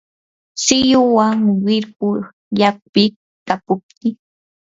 silluwan wirpu llapiy, kaputiy